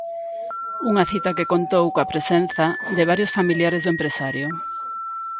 Unha cita que contou coa presenza de varios familiares do empresario.